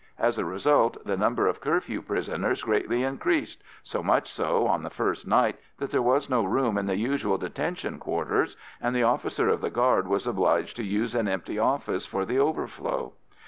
As a result, the number of curfew prisoners greatly increased—so much so on the first night that there was no room in the usual detention quarters, and the officer of the guard was obliged to use an empty office for the overflow.